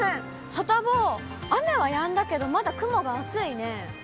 サタボー、雨はやんだけど、まだ雲が厚いね。